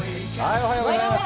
おはようございます。